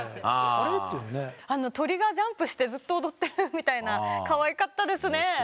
鳥がジャンプしてずっと踊ってるみたいなかわいかったですね。